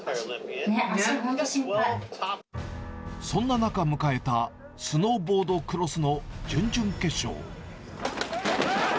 そんな中、迎えたスノーボードクロスの準々決勝。